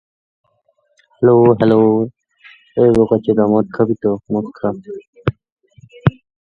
ডোনাহি ওহাইওর টুসকারাওয়াস কাউন্টির গোশেন টাউনশিপে জন্মগ্রহণ করেন।